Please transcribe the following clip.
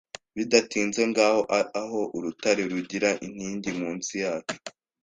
Bidatinze ngaho aho urutare rugira inkingi munsi yacu